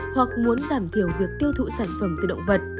hoặc muốn giảm thiểu việc tiêu thụ sản phẩm từ động vật